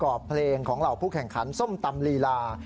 รอบเพลงของเหล่าผู้แข่งขันส้มตำลีลา